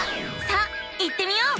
さあ行ってみよう！